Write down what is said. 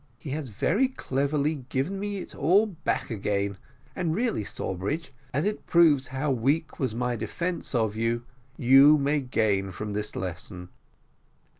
He has very cleverly given me it all back again; and really, Sawbridge, as it proves how weak was my defence of you, you may gain from this lesson."